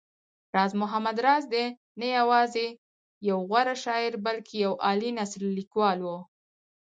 راز محمد راز دی نه يوازې يو غوره شاعر بلکې يو عالي نثرليکوال و